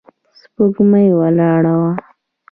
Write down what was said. سپوږمۍ ولاړه وه.